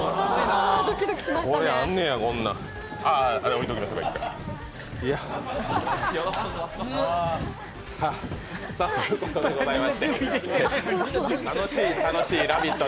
ドキドキしましたね。ということでございまして、楽しい楽しい「ラヴィット！」